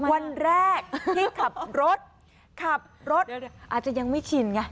วันแรกที่ขับรถขับรถอาจจะยังไม่ชินไง